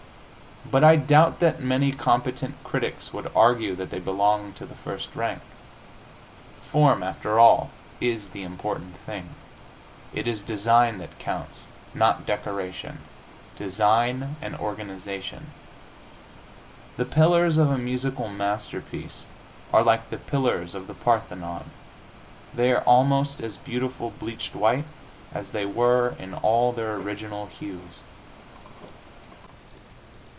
But I doubt that many competent critics would argue that they belong to the first rank. Form, after all, is the important thing. It is design that counts, not decoration design and organization. The pillars of a musical masterpiece are like the pillars of the Parthenon; they are almost as beautiful bleached white as they were in all their original hues.